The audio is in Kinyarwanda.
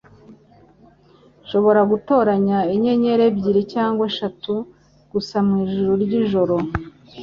Nshobora gutoranya inyenyeri ebyiri cyangwa eshatu gusa mwijuru ryijoro.